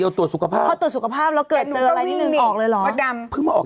พี่ตรวจสุขภาพพอตรวจสุขภาพแล้วเกิดเจออะไรนิดนึงออกเลยเหรอพี่ตรวจสุขภาพ